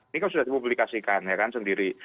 ini kan sudah dipublikasikan ya kan sendiri